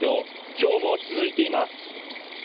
きょうも続いています。